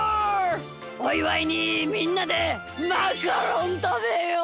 おいわいにみんなでマカロンたべよう！